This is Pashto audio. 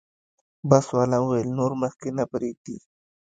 بس والا وویل نور مخکې نه پرېږدي.